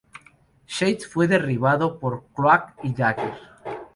Shades fue derribado por Cloak y Dagger.